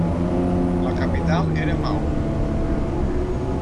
La capital era Mao.